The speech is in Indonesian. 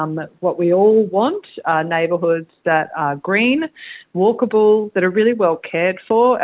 mengatakan laporan tersebut menyoroti apa yang menjadi perhatian masyarakat di lingkungan mereka